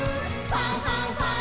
ファンファンファン！」